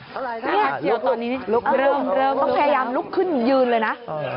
ใช่ต้องพยายามลุกขึ้นยืนเลยนะ